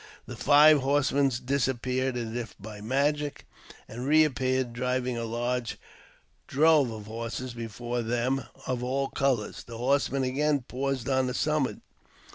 The five horsemen disappeared as if by magic, and reappeared driving a large drove of horses before them of all colours. The horsemen again pause on the summit.